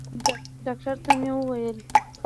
ډاکتر ته مې وويل.